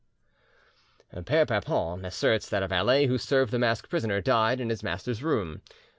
Pere Papon asserts that a valet who served the masked prisoner died in his master's room.